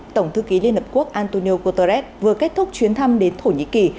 tổng thư ký liên hợp quốc antonio guterres vừa kết thúc chuyến thăm đến thổ nhĩ kỳ